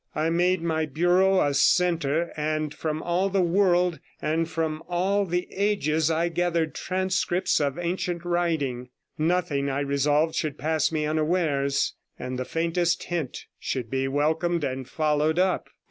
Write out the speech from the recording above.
I made my bureau a centre, 78 and from all the world and from all the ages I gathered transcripts of ancient writing. Nothing, I resolved, should pass me unawares, and the faintest hint should be welcomed and followed up.